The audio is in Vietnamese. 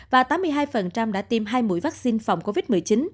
và tám mươi hai đã tiêm hai mũi vaccine phòng covid một mươi chín